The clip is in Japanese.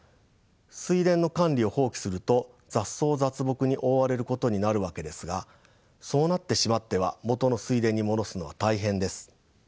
水田の管理を放棄すると雑草雑木に覆われることになるわけですがそうなってしまっては元の水田に戻すのは大変です。